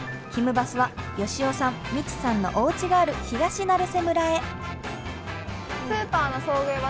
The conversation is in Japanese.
バスは佳雄さんミチさんのおうちがある東成瀬村へ。